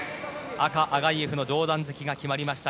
赤、アガイェフの上段突きが決まりました。